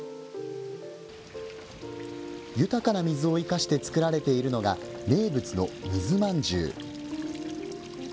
豊かな水を生かして作られているのが名物の水まんじゅう。